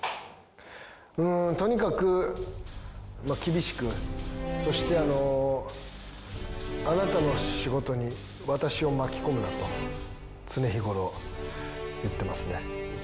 うーんとにかくまあ厳しくそしてあなたの仕事に私を巻き込むなと常日頃言ってますね。